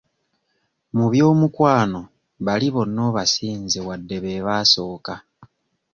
Mu by'omukwano bali bonna obasinze wadde be baasooka.